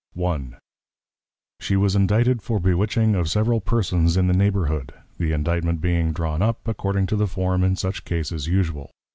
She was Indicted for Bewitching of several Persons in the Neighbourhood, the Indictment being drawn up, according to the Form in such Cases usual.